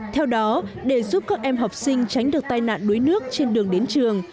theo đó để giúp các em học sinh tránh được tai nạn đuối nước trên đường đến trường